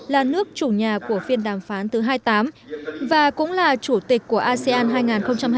là nước chủ nhà của phiên đàm phán thứ hai mươi tám và cũng là chủ tịch của asean hai nghìn hai mươi